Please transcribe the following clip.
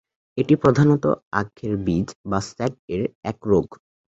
এটি প্রধানত আখের বীজ বা সেট-এর এক রোগ।